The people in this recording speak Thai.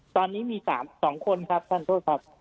ตอนนี้มี๓๒คนครับท่านโทษครับ